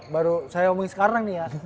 baru saya omongin sekarang nih ya